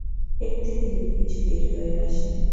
এর থেকে যদি কিছু বের হয়ে আসে।